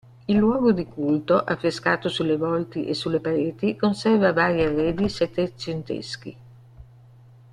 Il luogo di culto, affrescato sulle volte e sulle pareti, conserva vari arredi settecenteschi.